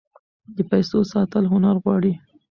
د پیسو ساتل هنر غواړي.